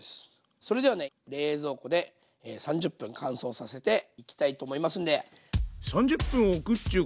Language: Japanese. それではね冷蔵庫で３０分乾燥させていきたいと思いますんで。